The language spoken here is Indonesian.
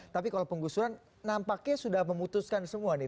tapi kalau penggusuran nampaknya sudah memutuskan semua nih